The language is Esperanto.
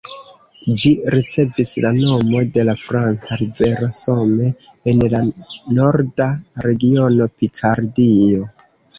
Ĝi ricevis la nomo de la franca rivero Somme, en la Norda regiono Pikardio.